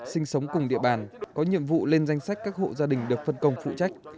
sinh sống cùng địa bàn có nhiệm vụ lên danh sách các hộ gia đình được phân công phụ trách